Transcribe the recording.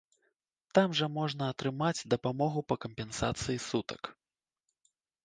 Там жа можна атрымаць дапамогу па кампенсацыі сутак.